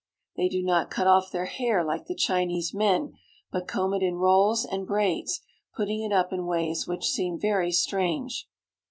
They do not cut off their hair like the Chinese men, but comb it in rolls and braids, putting it up in ways which seem very strange.